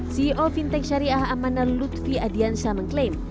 ceo fintech syariah amana lutfi adiansyah mengklaim